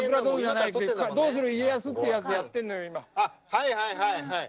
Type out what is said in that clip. はいはいはいはい。